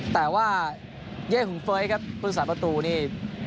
แต่ว่าเย่หุ่งเฟ้ยครับพื้นสายประตูนี่